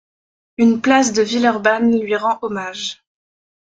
Une place de Villeurbanne lui rend hommage.